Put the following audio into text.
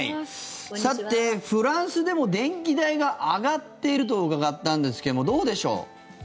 さて、フランスでも電気代が上がっていると伺ったんですけどもどうでしょう？